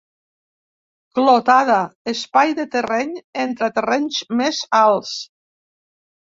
Clotada, espai de terreny entre terrenys més alts.